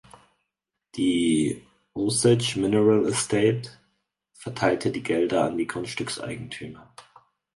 Die "Osage Mineral Estate" verteilte die Gelder an die Grundstückseigentümer.